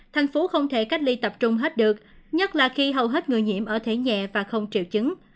thành phố không thể cách ly tập trung hết được nhất là khi hầu hết người nhiễm ở thể nhẹ và không triệu chứng